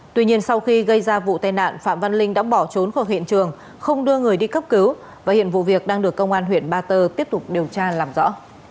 tuy nhiên sau khi gây ra vụ tai nạn phạm văn linh đã bỏ trốn khỏi hiện trường không đưa người đi cấp cứu và hiện vụ việc đang được công an huyện ba tơ tiếp tục điều tra làm rõ